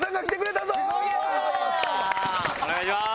お願いします！